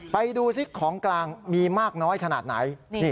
ไปดูซิของกลางมีมากน้อยขนาดไหน